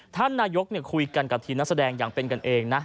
ท่านนายกคุยกันกับทีมนักแสดงอย่างเป็นกันเองนะ